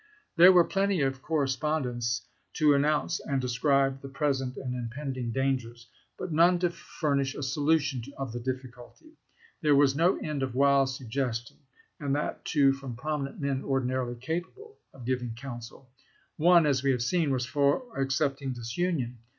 There were plenty of correspondents to announce and describe the present and impending dangers, but none to furnish a solution of the difficulty. There was no end of wild suggestion, and that too from prominent men ordinarily capable of giving counsel. One, as we have seen, was for accepting disunion.